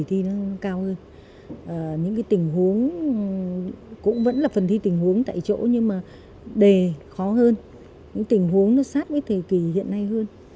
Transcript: thì nó cao hơn những cái tình huống cũng vẫn là phần thi tình huống tại chỗ nhưng mà đề khó hơn những tình huống nó sát với thời kỳ hiện nay hơn